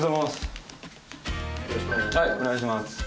はいお願いします。